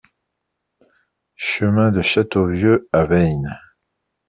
Chemin de Châteauvieux à Veynes